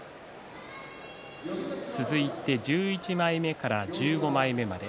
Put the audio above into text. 続いて１１枚目から１５枚目まで。